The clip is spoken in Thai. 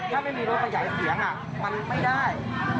ถ้าไม่มีรถขยายเสียงมันไม่ได้